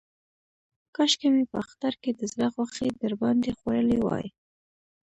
کاشکې مې په اختر کې د زړه غوښې در باندې خوړلې وای.